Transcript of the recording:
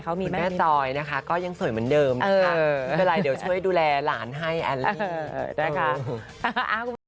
เขามีแม่จอยนะคะก็ยังสวยเหมือนเดิมนะคะไม่เป็นไรเดี๋ยวช่วยดูแลหลานให้แอลลี่นะคะ